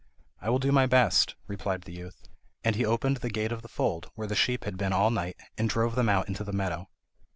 "I will do my best," replied the youth. And he opened the gate of the fold, where the sheep had been all night, and drove them out into the meadow.